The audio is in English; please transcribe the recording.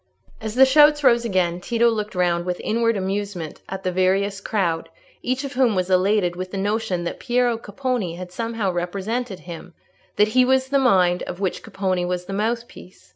As the shouts rose again, Tito looked round with inward amusement at the various crowd, each of whom was elated with the notion that Piero Capponi had somehow represented him—that he was the mind of which Capponi was the mouthpiece.